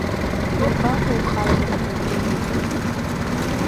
Иабаҟоу ухаҵара, Добринин?